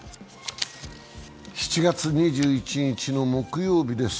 ７月２１日の木曜日です。